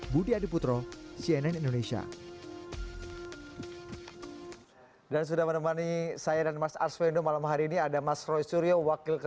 budi adiputro sbe